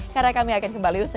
karena kami akan kembali usai jeda